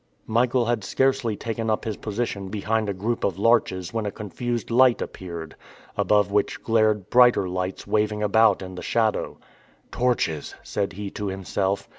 Michael had scarcely taken up his position behind a group of larches when a confused light appeared, above which glared brighter lights waving about in the shadow. "Torches!" said he to himself.